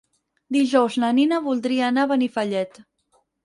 Dijous na Nina voldria anar a Benifallet.